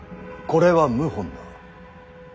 これは謀反だ。